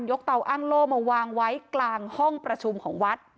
เตาอ้างโล่มาวางไว้กลางห้องประชุมของวัด